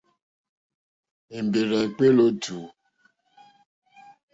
Èmbèrzà èkpéélì ó tùú.